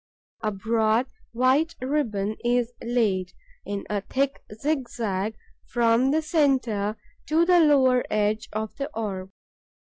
A broad, white ribbon is laid, in a thick zigzag, from the centre to the lower edge of the orb.